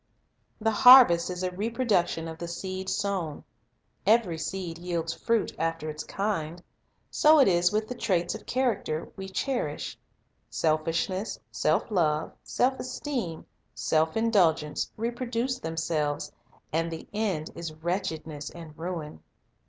The harvest is a reproduction of the seed sown. Every seed yields fruit "after its kind." So it is with the traits of character we cherish. Selfishness, self love, self esteem, self indulgence, reproduce themselves, and the end is wretchedness and ruin.